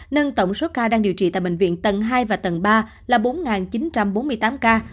nâng tổng số ca đang điều trị tại bệnh viện tầng hai và tầng ba là bốn chín trăm bốn mươi tám ca